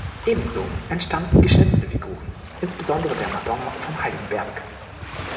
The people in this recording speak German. Ebenso entstanden geschnitzte Figuren, insbesondere der Madonna vom Heiligen Berg.